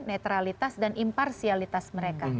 netralitas dan imparsialitas mereka